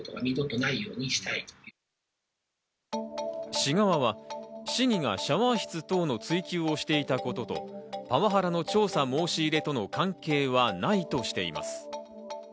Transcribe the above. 市側は市議がシャワー室等の追及をしていたことと、パワハラの調査申し入れとの関係はないとしています。